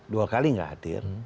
dua kali tidak hadir